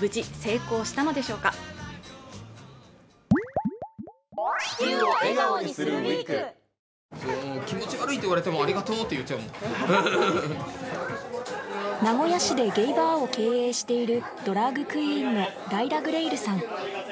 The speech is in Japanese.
無事成功したのでしょうか名古屋市でゲイバーを経営しているドラァグクイーンのライラ・グレイルさん